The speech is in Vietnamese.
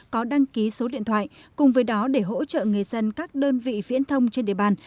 có đăng ký số điện thoại cùng với đó để hỗ trợ người dân các đơn vị viễn thông trên địa bàn